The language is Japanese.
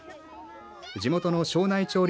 地元の庄内町立